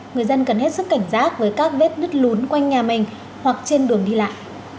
người dân cần hết sức cảnh giác với các vết nứt lún quanh nhà mình hoặc trên đường đi lại